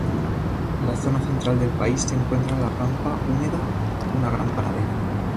En la zona central del país se encuentra la Pampa húmeda, una gran pradera.